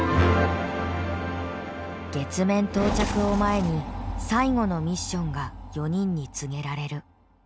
月面到着を前に最後のミッションが４人に告げられる。